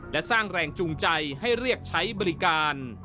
และสร้างแรงจูงใจให้เรียกใช้บริการ